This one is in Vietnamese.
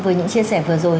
với những chia sẻ vừa rồi